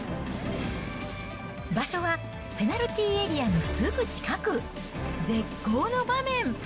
場所はペナルティーエリアのすぐ近く、絶好の場面。